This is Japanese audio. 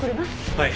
はい。